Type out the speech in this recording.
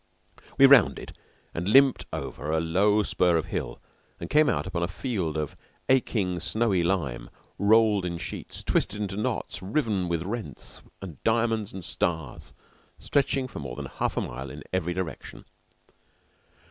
We rounded and limped over a low spur of hill, and came out upon a field of aching, snowy lime rolled in sheets, twisted into knots, riven with rents, and diamonds, and stars, stretching for more than half a mile in every direction.